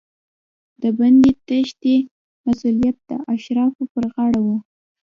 د بندي د تېښتې مسوولیت د اشرافو پر غاړه و.